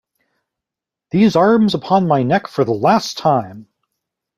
These arms upon my neck for the last time!